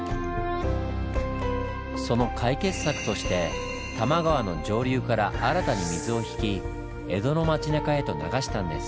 その解決策として多摩川の上流から新たに水を引き江戸の町なかへと流したんです。